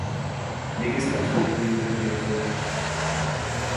Legislaturperiode gewählt wurde.